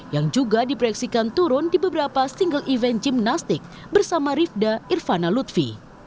yang juga diproyeksikan turun di beberapa single event gimnastik bersama rifda irvana lutfi